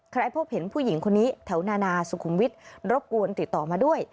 พบเห็นผู้หญิงคนนี้แถวนานาสุขุมวิทย์รบกวนติดต่อมาด้วย